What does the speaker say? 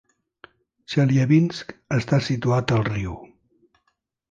Chelyabinsk està situat al riu.